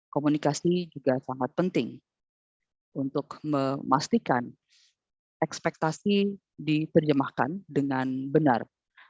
komunikasi juga sangat penting untuk memastikan ekspektasi diterjemahkan dengan benar